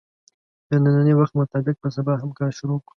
د نني وخت مطابق به سبا هم کار شروع کوو